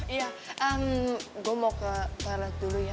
iya emm gue mau ke toilet dulu ya